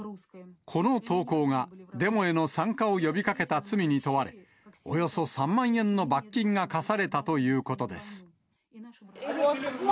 この投稿が、デモへの参加を呼びかけた罪に問われ、およそ３万円の罰金が科されたということです。